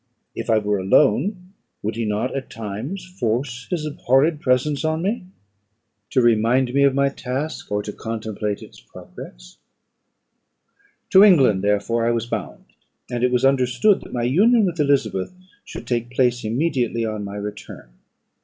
If I were alone, would he not at times force his abhorred presence on me, to remind me of my task, or to contemplate its progress? To England, therefore, I was bound, and it was understood that my union with Elizabeth should take place immediately on my return.